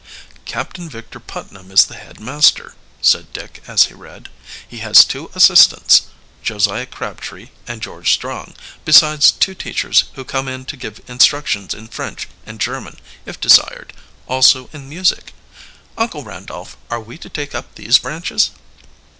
"Captain Victor Putnam is the head master," said Dick, as he read. "He has two assistants, Josiah Crabtree and George Strong, besides two teachers who come in to give instructions in French and German if desired, also in music. Uncle Randolph, are we to take up these branches?"